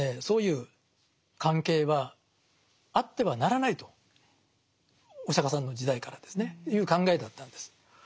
そういう関係はあってはならないとお釈迦さんの時代からですねいう考えだったんです。